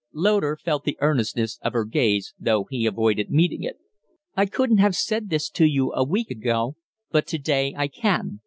Loder felt the earnestness of her gaze, though he avoided meeting it. "I couldn't have said this to you a week ago, but to day I can.